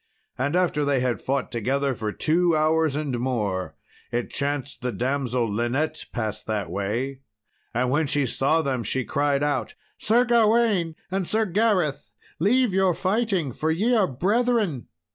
And after they had fought together for two hours and more, it chanced the damsel Linet passed that way; and when she saw them she cried out, "Sir Gawain and Sir Gareth, leave your fighting, for ye are brethren!"